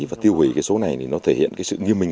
và tiêu hủy số này thì nó thể hiện sự nghiêm minh